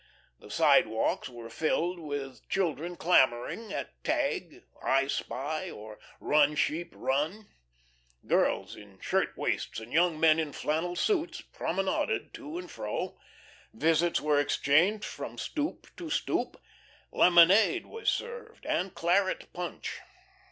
The sidewalks were filled with children clamouring at "tag," "I spy," or "run sheep run." Girls in shirt waists and young men in flannel suits promenaded to and fro. Visits were exchanged from "stoop" to "stoop," lemonade was served, and claret punch.